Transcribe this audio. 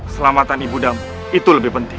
selamatan ibu dan itu lebih penting